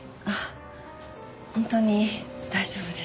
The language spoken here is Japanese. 本当に大丈夫です。